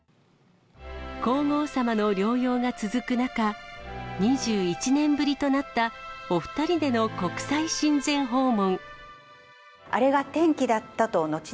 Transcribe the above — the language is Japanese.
皇后さまの療養が続く中、２１年ぶりとなったお２人での国際親善訪問。